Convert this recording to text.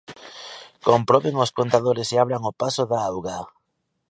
Comproben os contadores e abran o paso da auga.